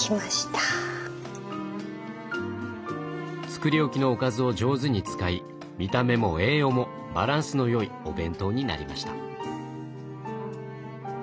作り置きのおかずを上手に使い見た目も栄養もバランスの良いお弁当になりました。